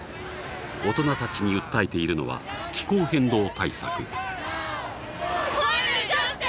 大人たちに訴えているのは気候変動対策。